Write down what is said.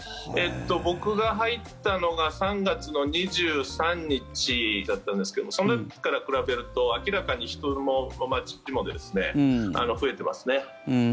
僕が入ったのが３月２３日だったんですがその日から比べると明らかに人も増えていますね。